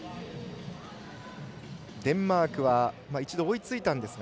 デンマークは一度、追いついたんですが。